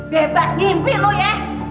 bebas ngimpi lu ya